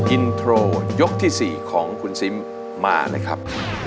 อินโทรยกที่๔ของคุณซิมมาเลยครับ